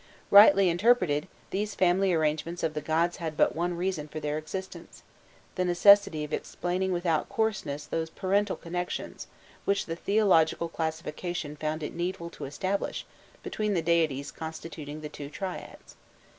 Rightly interpreted, these family arrangements of the gods had but one reason for their existence the necessity of explaining without coarseness those parental connections which the theological classification found it needful to establish between the deities constituting the two triads.